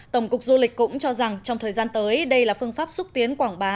tổng cục du lịch cũng cho rằng trong thời gian tới đây là phương pháp xúc tiến quảng bá